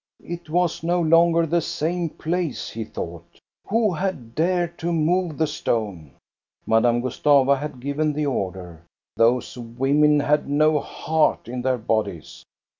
It was no longer the same place, he thought. Who had dared to move the stone? Madame Gustava had given the order. Those women had no heart in their bodies.